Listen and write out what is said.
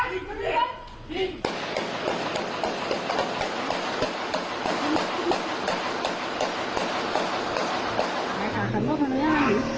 ไอ้โมงช่างเป็นกันเถอะ